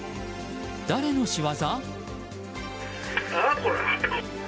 誰の仕業？